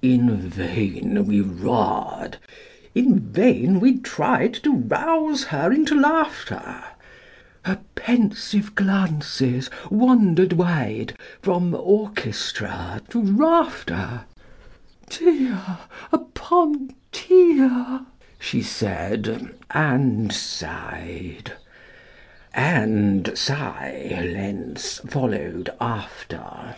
In vain we roared; in vain we tried To rouse her into laughter: Her pensive glances wandered wide From orchestra to rafter "TIER UPON TIER!" she said, and sighed; And silence followed after.